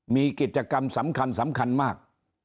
มีกิจกรรมสำคัญมาก